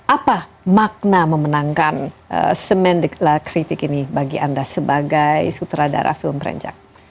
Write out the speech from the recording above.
apa makna memenangkan semendik la kritik ini bagi anda sebagai sutradara film prenjak